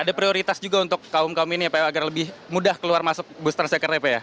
ada prioritas juga untuk kaum kaum ini ya pak agar lebih mudah keluar masuk bus transjakarta ya pak ya